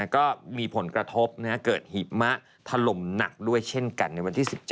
ก็มีผลกระทบเกิดหิมะถล่มหนักด้วยเช่นกันในวันที่๑๗